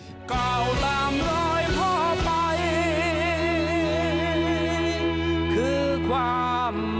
โปรดติดตามตอนต่อไป